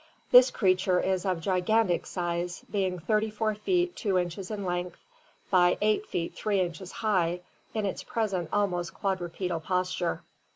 This creature is of gigantic size, being 34 feet 2 inches in length by 8 feet 3 inches high in its present almost quadrupedal posture.